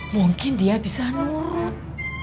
mungkin dia bisa nurut